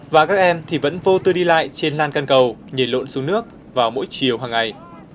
và các em thì vẫn vô tư đi lại trên lan can cầu nhảy lộn xuống nước vào mỗi chiều hàng ngày